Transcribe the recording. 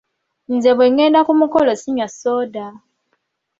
Nze bwe ngenda ku mukolo sinywa soda.